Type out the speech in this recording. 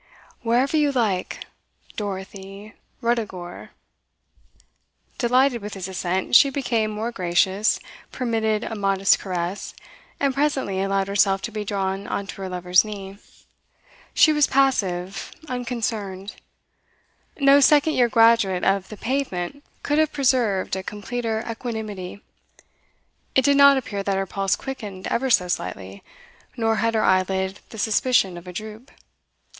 'Wherever you like. "Dorothy," "Ruddigore "' Delighted with his assent, she became more gracious, permitted a modest caress, and presently allowed herself to be drawn on to her lover's knee. She was passive, unconcerned; no second year graduate of the pavement could have preserved a completer equanimity; it did not appear that her pulse quickened ever so slightly, nor had her eyelid the suspicion of a droop.